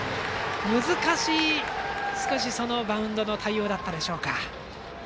難しいバウンドの対応だったでしょうか。